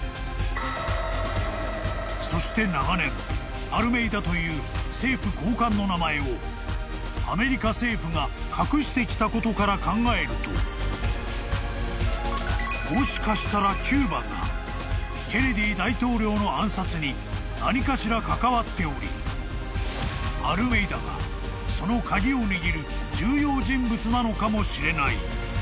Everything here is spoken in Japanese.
［そして長年アルメイダという政府高官の名前をアメリカ政府が隠してきたことから考えるともしかしたらキューバがケネディ大統領の暗殺に何かしら関わっておりアルメイダがその鍵を握る重要人物なのかもしれない］